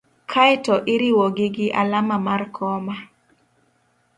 kae to iriwogi gi alama mar koma.